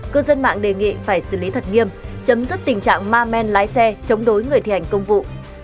cư dân mạng đề nghị phải xử lý thật nghiêm chấm dứt tình trạng ma men lái xe chống đối người thi hành công vụ